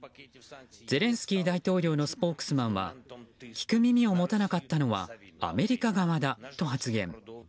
ゼレンスキー大統領のスポークスマンは聞く耳を持たなかったのはアメリカ側だと発言。